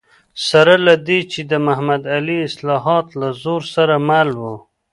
سره له دې چې د محمد علي اصلاحات له زور سره مل و.